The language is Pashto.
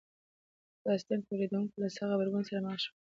د فاسټین تولیدوونکو له سخت غبرګون سره مخ شول.